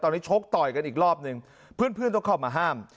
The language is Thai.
ตอนนี้ชกต่อยกันอีกรอบนึงเพื่อนต้องเข้ามาห้าม